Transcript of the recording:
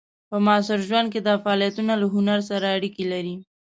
په معاصر ژوند کې دا فعالیتونه له هنر سره اړیکې لري.